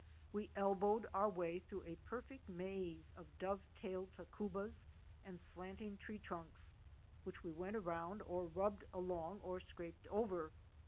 We elbowed our way through a perfect maze of dovetailed tacubas and slanting tree trunks, which we went around or rubbed along or scraped over.